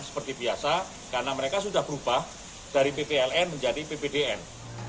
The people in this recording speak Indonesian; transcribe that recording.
seperti biasa karena mereka sudah berubah dari ppln menjadi ppdn